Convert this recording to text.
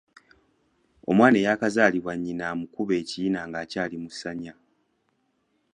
Omwana eyaakazaalibwa nnyina amukuba ekiyina nga akyali mu ssanya